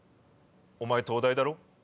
お前東大だろ？